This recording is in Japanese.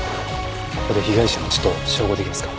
ここで被害者の血と照合できますか？